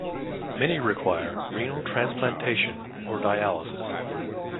Many required renal transplantation or dialysis.